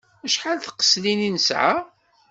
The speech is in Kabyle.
Acḥal n tqeslin i nesɛa?